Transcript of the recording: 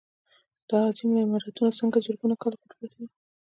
دا عظیم عمارتونه څنګه زرګونه کاله پټ پاتې وو.